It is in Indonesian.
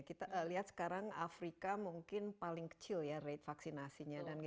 kita lihat sekarang afrika mungkin paling kecil ya rate vaksinasinya